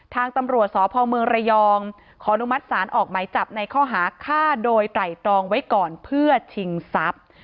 ทางตำรวจสพเมืองระยองขอนุมัติศาลออกไหมจับในข้อหาฆ่าโดยไตรตรองไว้ก่อนเพื่อชิงทรัพย์